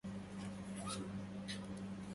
وطأت ما وطئت ريب الليالي